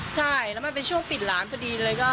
ใช่แล้วมันเป็นช่วงปิดร้านพอดีเลย